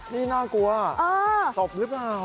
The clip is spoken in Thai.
นี่น่ากลัวตบหรือเปล่า